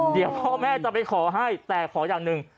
เดี๋ยวพ่อแม่จะไปขอให้แต่ขออย่างหนึ่ง